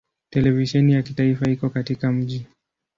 Televisheni ya kitaifa iko katika mji.